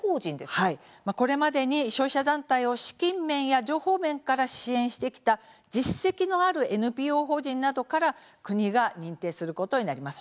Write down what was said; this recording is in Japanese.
これまでに消費者団体を資金面や情報面から支援してきた実績のあるＮＰＯ法人などを国が認定することになります。